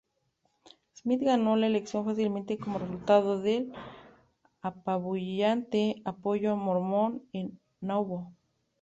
Smith ganó la elección fácilmente como resultado del apabullante apoyo mormón en Nauvoo.